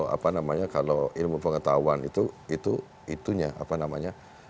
apa namanya kalau ilmu pengetahuan itu itunya apa namanya